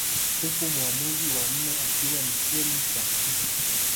Huku mwamuzi wa nne akiwa ni Elly Sasii